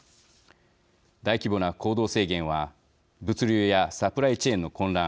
大規模な行動制限は物流やサプライチェーンの混乱